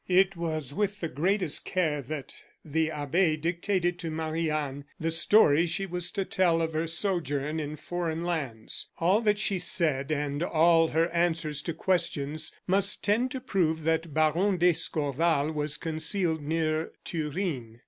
It was with the greatest care that the abbe dictated to Marie Anne the story she was to tell of her sojourn in foreign lands. All that she said, and all her answers to questions must tend to prove that Baron d'Escorval was concealed near Turin.